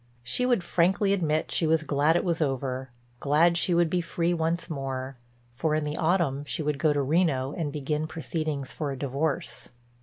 She would frankly admit she was glad it was over, glad she would be free once more, for in the autumn she would go to Reno and begin proceedings for a divorce.